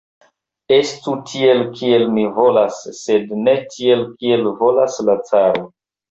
Estu tiel, kiel mi volas, sed ne tiel, kiel volas la caro!